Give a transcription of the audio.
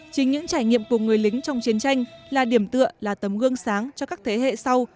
chính những trải nghiệm của người lính trong chiến tranh là điểm tựa là tấm gương sáng cho các thế hệ sau